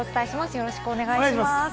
よろしくお願いします。